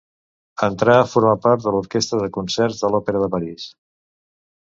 Entrà a formar part de l'Orquestra de Concerts de l'Òpera de París.